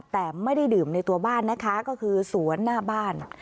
แต่ไม่ได้ดื่มในตัวบ้านนะคะก็คือสวนหน้าบ้าน